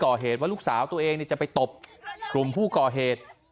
ก่อเหตุว่าลูกสาวตัวเองจะไปตบกลุ่มผู้ก่อเหตุ